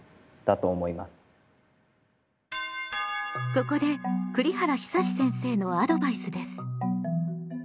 ここで栗原久先生のアドバイスです。